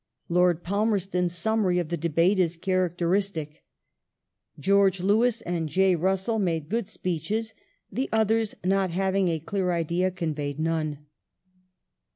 Lord Palmerston's summary of the debate is characteristic :" George Lewis and J. Russell made good speeches. The others, not having a clear idea, conveyed none."